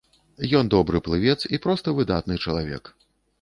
Ён добры плывец і проста выдатны чалавек.